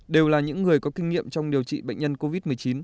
đều là những người có kinh nghiệm trong điều trị bệnh nhân covid một mươi chín